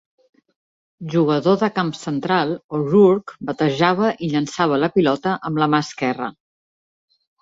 Jugador de camp central, O'Rourke batejava i llençava la pilota amb la mà esquerra.